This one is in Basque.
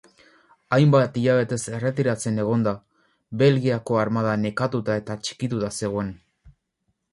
Hainbat hilabetez erretiratzen egonda, Belgikako armada nekatuta eta txikituta zegoen.